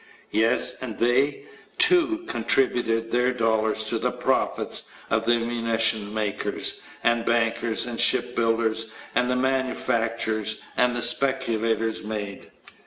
Yes, and they, too, contributed their dollars to the profits of the munitions makers and bankers and shipbuilders and the manufacturers and the speculators made.